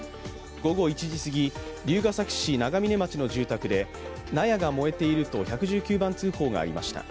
午後１時すぎ、龍ケ崎市長峰町の住宅で納屋が燃えていると１１９番通報がありました。